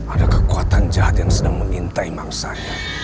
ada kekuatan jahat yang sedang mengintai mangsanya